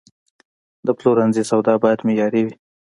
د پلورنځي سودا باید معیاري وي.